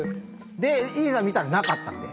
でいざ見たらなかったんで。